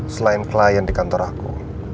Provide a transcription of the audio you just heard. selain klien di kantor aku